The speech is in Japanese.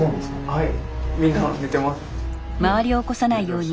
はい。